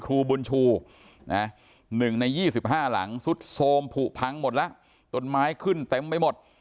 ครูบุญชู๑ใน๒๕หลังสุดโทรมผูพังหมดแล้วต้นไม้ขึ้นเต็มไปหมด